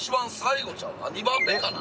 あっ２番目かな？